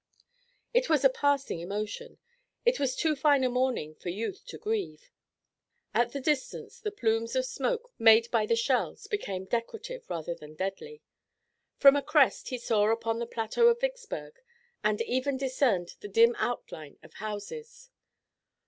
It was a passing emotion. It was too fine a morning for youth to grieve. At the distance the plumes of smoke made by the shells became decorative rather than deadly. From a crest he saw upon the plateau of Vicksburg and even discerned the dim outline of houses.